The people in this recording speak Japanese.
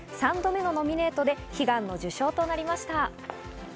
３度目のノミネートで悲願の受賞となりました。